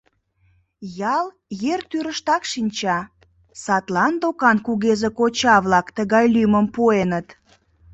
Ял ер тӱрыштак шинча, садлан докан кугезе коча-влак тыгай лӱмым пуэныт.